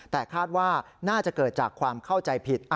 แต่คาดว่าน่าจะเกิดจากความเข้าใจผิด